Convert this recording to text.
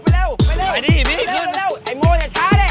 ไปเร็วไอโมชะชะ